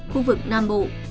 khu vực nam bộ